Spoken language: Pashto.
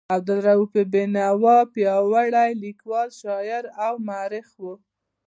عبدالرؤف بېنوا پیاوړی لیکوال، شاعر او مورخ و.